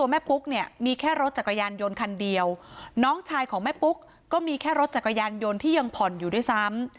ปุ๊กเนี่ยมีแค่รถจักรยานยนต์คันเดียวน้องชายของแม่ปุ๊กก็มีแค่รถจักรยานยนต์ที่ยังผ่อนอยู่ด้วยซ้ำ